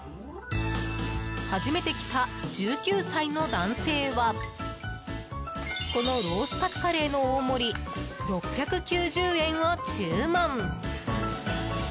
初めて来た１９歳の男性はこのロースかつカレーの大盛り、６９０円を注文。